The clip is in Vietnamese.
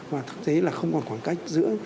và thực tế là không còn khoảng cách giữa